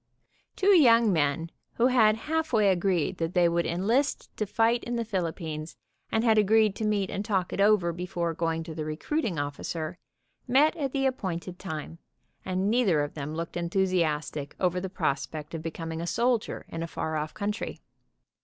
Two young men who had half way agreed that they would enlist to fight in the Philippines, and had agreed to meet and talk it over before going to the recruiting officer, met at the appointed time, and neither of them looked enthusiastic over the prospect of becoming a soldier in a far off country.